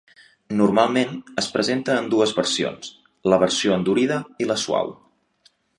Normalment es presenta en dues versions: la versió endurida i la suau.